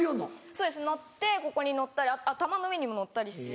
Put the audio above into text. そうです乗ってここに乗ったり頭の上にも乗ったりして。